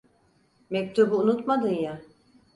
Mektubu unutmadın ya!